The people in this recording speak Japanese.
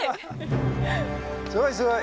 すごいすごい！